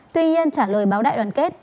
tuy nhiên trả lời báo đại đoàn kết